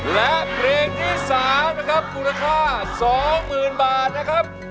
และเพลงที่๓นะครับมูลค่า๒๐๐๐บาทนะครับ